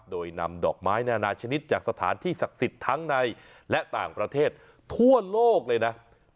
โดยนำดอกไม้นานาชนิดจากสถานที่ศักดิ์สิทธิ์ทั้งในและต่างประเทศทั่วโลกเลยนะ